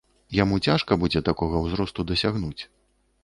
Яму цяжка будзе такога ўзросту дасягнуць.